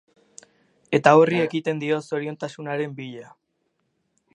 Eta horri ekiten dio, zoriontasunaren bila.